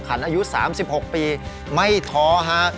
อายุ๓๖ปีไม่ท้อฮะ